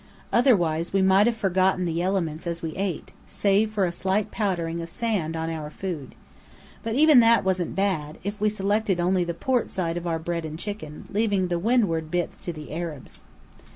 Otherwise we might have forgotten the elements as we ate, save for a slight powdering of sand on our food. But even that wasn't bad, if we selected only the port side of our bread and chicken, leaving windward bits to the Arabs.